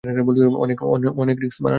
অনেক রিস্ক, মারান।